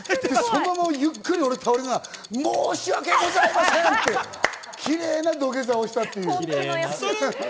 そのままゆっくり俺、倒れながら、申し上げございませんってキレイな土下座をしたっていう。